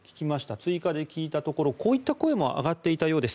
追加で聞いたところこういった声も上がっていたようです。